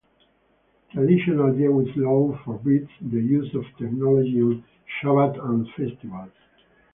Traditional Jewish law forbids the use of technology on Shabbat and festivals.